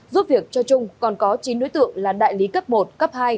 giúp việc cho trung còn có chín đối tượng là đại lý cấp một cấp hai